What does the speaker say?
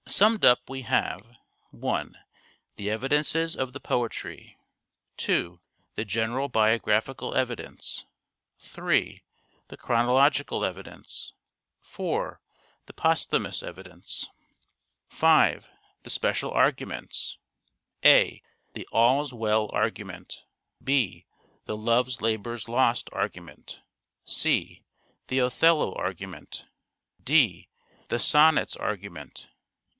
Summed up we have :— 1. The evidences of the poetry. 2. The general biographical evidence. 3. The chronological evidence. 4. The posthumous evidence. CONCLUSION 495 5. The special arguments : (a) The " All's Well " argument. (b) The " Love's Labour's Lost " argument. (c) The " Othello " argument. (d) The Sonnets argument.